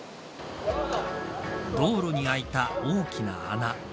道路に開いた大きな穴。